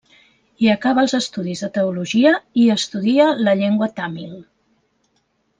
Hi acaba els estudis de teologia i estudia la llengua tàmil.